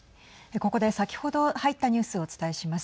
ここで先ほど入ったニュースをお伝えします。